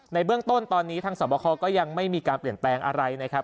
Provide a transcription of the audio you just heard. ในเบื้องต้นตอนนี้ทางสวบคอก็ยังไม่มีการเปลี่ยนแปลงอะไรนะครับ